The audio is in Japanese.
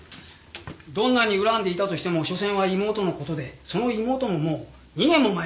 どんなに恨んでいたとしてもしょせんは妹の事でその妹ももう２年も前に死んでしまっている。